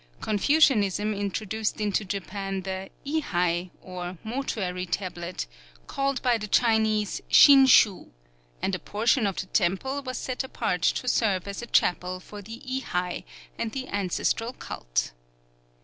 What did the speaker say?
Confucianism introduced into Japan the ihai, or mortuary tablet, called by the Chinese shin shu; and a portion of the temple was set apart to serve as a chapel for the ihai, and the ancestral cult.